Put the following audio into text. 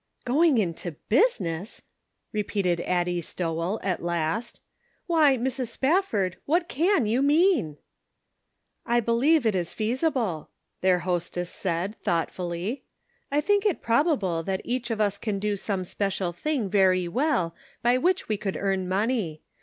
" Going into business !" repeated Addie Stowell, at last. " Why, Mrs. Spafford, what can you mean ?"" I believe it is feasible," their hostess said, thoughtfully. I think it probable that each of us can do some special thing very well by which we could earn money.